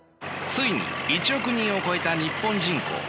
ついに１億人を超えた日本人口。